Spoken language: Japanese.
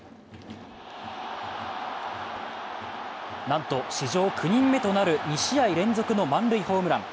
なんと、史上９人目となる２試合連続の満塁ホームラン。